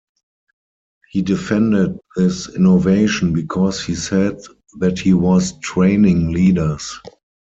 He defended this innovation because he said that he was training leaders.